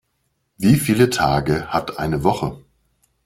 Wie viele Tage hat eine Woche?